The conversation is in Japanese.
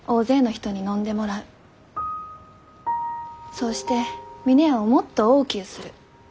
そうして峰屋をもっと大きゅうする。